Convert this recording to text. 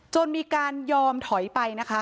จนมีการยอมถอยไปนะคะ